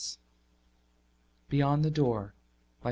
_ beyond the door _by